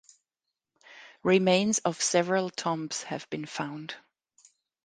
Remains of several tombs have been found.